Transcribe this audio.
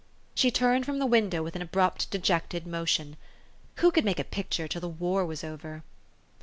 She turned from the window with an abrupt, de jected motion. Who could make a picture till the war was over